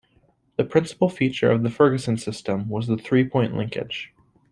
The principal feature of the Ferguson System was the three-point linkage.